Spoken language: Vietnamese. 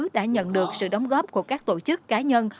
đã nhận được sự đóng góp của các tổ chức cá nhân